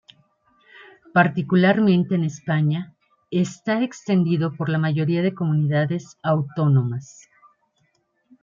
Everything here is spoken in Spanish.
Particularmente en España, está extendido por la mayoría de comunidades autónomas.